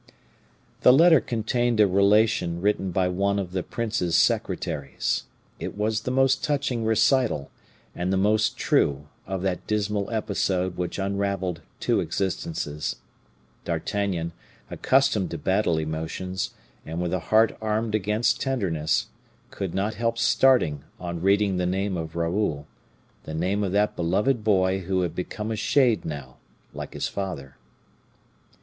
The letter contained a relation written by one of the prince's secretaries. It was the most touching recital, and the most true, of that dismal episode which unraveled two existences. D'Artagnan, accustomed to battle emotions, and with a heart armed against tenderness, could not help starting on reading the name of Raoul, the name of that beloved boy who had become a shade now like his father.